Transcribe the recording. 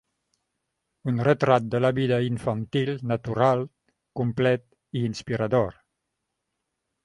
Un retrat de la vida infantil, natural, complet i inspirador.